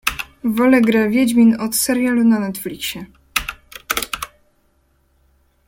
Wolę grę Wiedźmin od serialu na Netflixie.